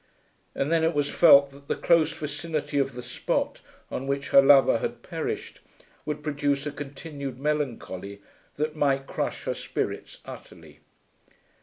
And then it was felt that the close vicinity of the spot on which her lover had perished would produce a continued melancholy that might crush her spirits utterly.